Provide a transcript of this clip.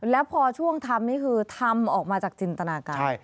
แล้วพอช่วงทำนี่คือทำออกมาจากจินตนาการ